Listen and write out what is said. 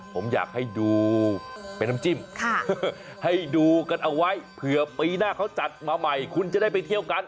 ผมอยากให้ดูเป็นน้ำจิ้มให้ดูกันเอาไว้เผื่อปีหน้าเขาจัดมาใหม่คุณจะได้ไปเที่ยวกัน